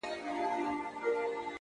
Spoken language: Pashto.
څنگ ته چي زه درغــــلـم،